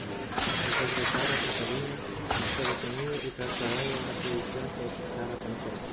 Al regresar a Cataluña fue detenido y trasladado a la prisión de Carabanchel.